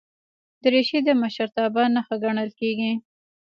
دریشي د مشرتابه نښه ګڼل کېږي.